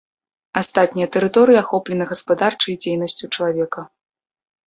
Астатнія тэрыторыі ахоплены гаспадарчай дзейнасцю чалавека.